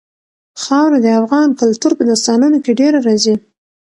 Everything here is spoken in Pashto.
خاوره د افغان کلتور په داستانونو کې ډېره راځي.